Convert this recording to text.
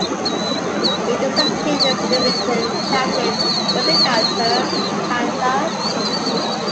It is located in Bloomington Township, Butler County, Kansas.